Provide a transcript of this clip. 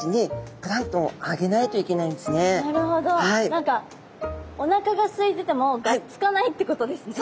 何かおなかがすいててもがっつかないってことですね。